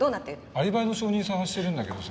アリバイの証人を探してるんだけどさ。